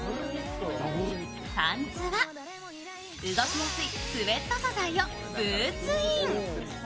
パンツは動きやすいスエット素材をブーツイン。